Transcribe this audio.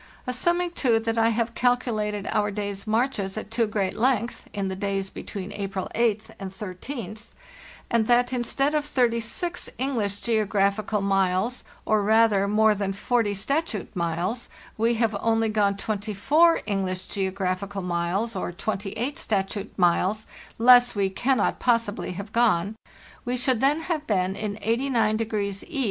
Assuming, too, that I have calculated our days' marches at too great length, in the days between April 8th and 13th, and that instead of 36 English geograph ical miles, or, rather, more than 4o statute miles, we have only gone 24 English geographical miles, or 28 statute miles (less we cannot possibly have gone), we should then have been in 89° E.